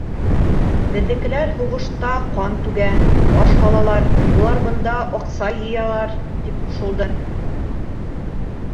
Беҙҙекеләр һуғышта ҡан түгә, баш һалалар, улар бында аҡса йыялар, — тип ҡушылды.